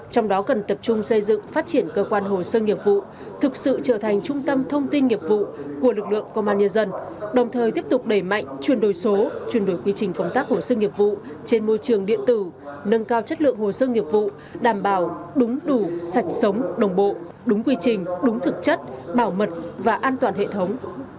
trong đó cần tập trung xây dựng phát triển cơ quan hồ sơ nghiệp vụ thực sự trở thành trung tâm thông tin nghiệp vụ của lực lượng công an nhân dân đồng thời tiếp tục đẩy mạnh chuyển đổi số chuyển đổi quy trình công tác hồ sơ nghiệp vụ trên môi trường điện tử nâng cao chất lượng hồ sơ nghiệp vụ đảm bảo đúng đủ sạch sống đồng bộ đúng quy trình đúng thực chất bảo mật và an toàn hệ thống